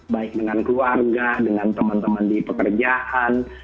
baik dengan keluarga dengan teman teman di pekerjaan